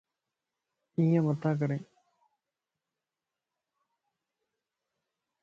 ايَ متان ڪرين